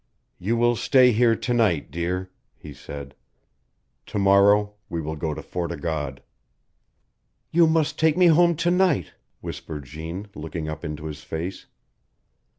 "You will stay here to night, dear," he said. "To morrow we will go to Fort o' God." "You must take me home to night," whispered Jeanne, looking up into his face.